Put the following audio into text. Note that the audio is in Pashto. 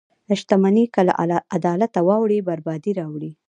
• شتمني که له عدالته واوړي، بربادي راوړي.